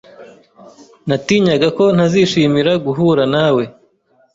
Natinyaga ko ntazishimira guhura nawe.